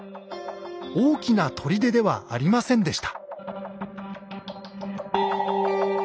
大きな砦ではありませんでした。